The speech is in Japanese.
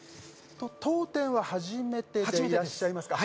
当店は初めてでいらっしゃいますか？